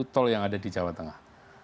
tol yang ada di jawa tengah